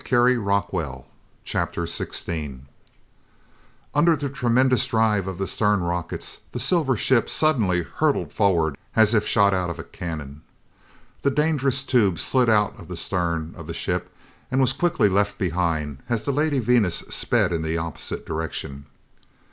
CHAPTER 16 Under the tremendous drive of the stern rockets, the silver ship suddenly hurtled forward as if shot out of a cannon. The dangerous tube slid out of the stern of the ship and was quickly left behind as the Lady Venus sped in the opposite direction.